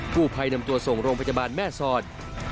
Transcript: ผู้ภัยนำตัวส่งโรงพยาบาลแม่สอด